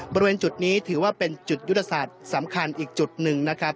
บริเวณจุดนี้ถือว่าเป็นจุดยุทธศาสตร์สำคัญอีกจุดหนึ่งนะครับ